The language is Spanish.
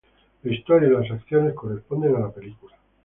La historia y las acciones corresponden a la película.